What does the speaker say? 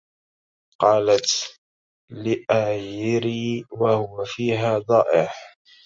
قالت لأيري وهو فيها ضائع